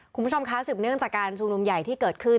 คุณผู้ชมคะสืบเนื่องจากการชุมนุมใหญ่ที่เกิดขึ้น